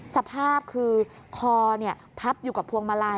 สภาพคือคอพับอยู่กับพวงมาลัย